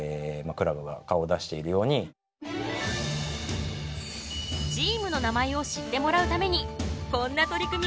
チームの名前を知ってもらうためにこんな取り組みもしているんだって。